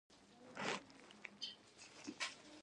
سرعت زاویه بدلېږي.